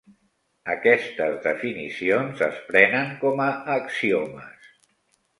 Aquestes definicions es prenen com a axiomes.